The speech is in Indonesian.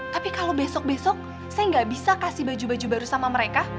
tapi kalau besok besok saya nggak bisa kasih baju baju baru sama mereka